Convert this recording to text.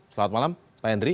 selamat malam pak henry